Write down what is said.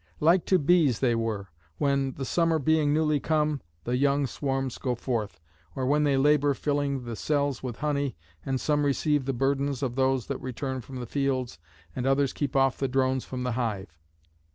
Like to bees they were, when, the summer being newly come, the young swarms go forth, or when they labour filling the cells with honey, and some receive the burdens of those that return from the fields, and others keep off the drones from the hive.